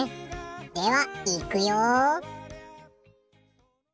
ではいくよ。